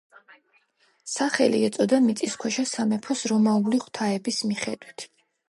სახელი ეწოდა მიწისქვეშა სამეფოს რომაული ღვთაების მიხედვით.